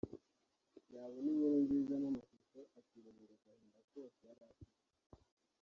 yabona inkuru nziza n’amashusho akibagirwa agahinda kose yari afite